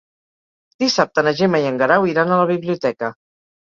Dissabte na Gemma i en Guerau iran a la biblioteca.